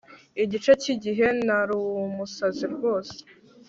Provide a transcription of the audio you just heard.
igice cyigihe narumusazi rwose